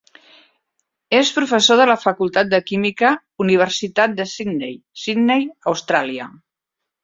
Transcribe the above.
És professor de la Facultat de química, Universitat de Sydney, Sydney, Austràlia.